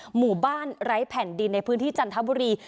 หมู่บ้านไร้แผ่นดินในพื้นที่จันทบุรี